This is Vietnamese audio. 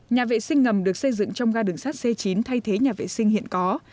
nhà vệ sinh ngầm được xây dựng trong ga đường sắt c chín thay thế nhà vệ sinh hiện có